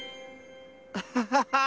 アハハハー！